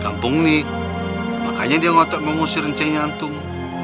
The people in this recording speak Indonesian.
kampung nih makanya dia ngotot mau musir renceng nyantung